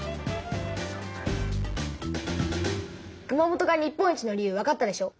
熊本が日本一の理由わかったでしょ？